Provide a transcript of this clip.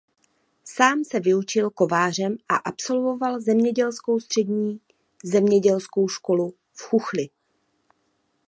Sám se vyučil kovářem a absolvoval zemědělskou Střední zemědělskou školu v Chuchli.